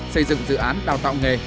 xây dựng dự án đào tạo nghề